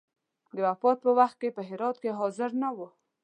د وفات په وخت کې په هرات کې حاضر نه وو.